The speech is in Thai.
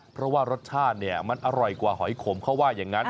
เพราะว่ารสชาติเนี่ยมันอร่อยกว่าหอยขมเขาว่าอย่างนั้น